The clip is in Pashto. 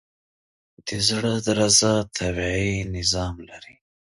د زړه درزا طبیعي نظام لري.